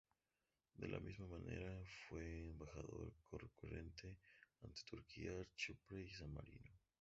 De la misma manera, fue embajador concurrente ante Turquía, Chipre y San Marino.